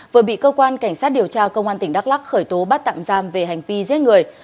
vừa bị cơ quan cảnh sát điều tra công an tỉnh đắk lắc khởi tố bắt tạm giam về hành vi giết người